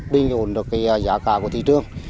bình ổn được giá cả của thị trường